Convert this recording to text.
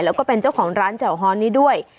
แล้วก็เป็นเจ้าของร้านแจ่วฮอนนี้ด้วย